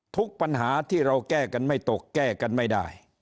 ทุกปัญหาที่เราแก้กันไม่ตกแก้กันไม่ได้